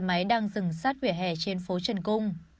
xe máy đang dừng sát vỉa hè trên phố trần cung